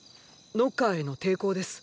ノッカーへの抵抗です。